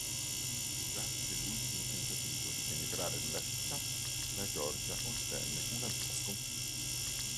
Durante l'ultimo tentativo di penetrare nella città, la Georgia ottenne una dura sconfitta.